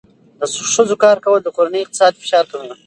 د ښځو کار کول د کورنۍ اقتصادي فشار کموي.